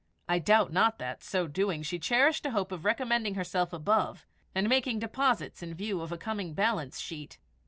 I doubt not that, so doing, she cherished a hope of recommending herself above, and making deposits in view of a coming balance sheet.